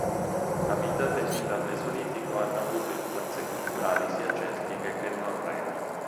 Abitate fin dal Mesolitico, hanno avuto influenze culturali sia celtiche che norrene.